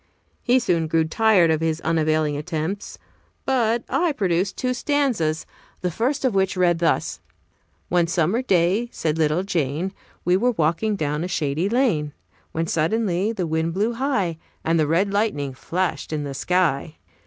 He soon grew tired of his unavailing attempts, but I produced two stanzas, the first of which read thus: "One summer day, said little Jane, We were walking down a shady lane, When suddenly the wind blew high, And the red lightning flashed in the sky.